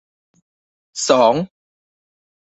สอง